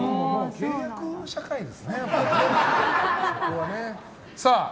契約社会ですね。